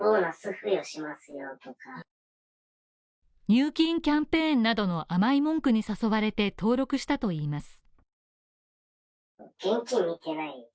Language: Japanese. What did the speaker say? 入金キャンペーンなどの甘い文句に誘われて登録したといいます。